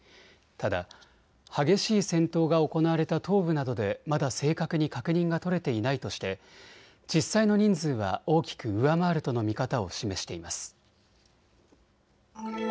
ただ、激しい戦闘が行われた東部などでまだ正確に確認が取れていないとして実際の人数は大きく上回るとの見方を示しています。